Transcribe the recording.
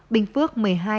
bình phước một mươi hai